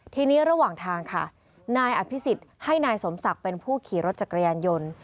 ทีนี้ระหว่างทางค่ะนายอภิษฎให้นายสมศักดิ์เป็นผู้ขี่รถจักรยานยนต์